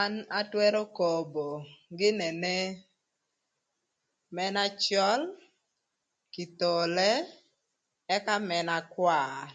An atwërö kobo kit kala na tye ï bëndëra më Uganda gïn ënë ën na cöl, kithole ëka ën na kwar.